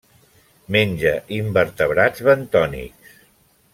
Menja invertebrats bentònics.